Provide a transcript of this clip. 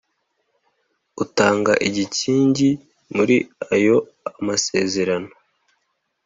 Utanga igikingi muri aya amasezerano